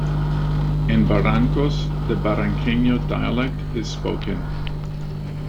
In Barrancos the Barranquenho dialect is spoken.